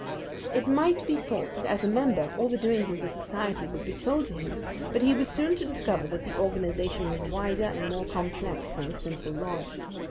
It might be thought that as a member, all the doings of the society would be told to him; but he was soon to discover that the organization was wider and more complex than the simple lodge.